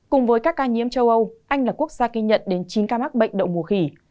cùng với các ca nhiễm châu âu anh là quốc gia ghi nhận đến chín ca mắc bệnh đậu mùa khỉ